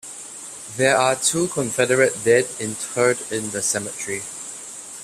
There are two Confederate dead interred in the cemetery.